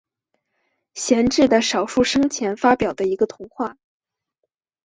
贤治的少数生前发表的一个童话。